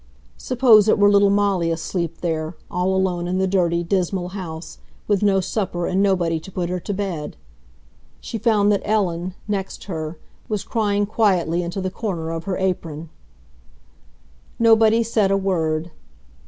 Suppose it were little Molly asleep there, all alone in the dirty, dismal house, with no supper and nobody to put her to bed. She found that Ellen, next her, was crying quietly into the corner of her apron. Nobody said a word.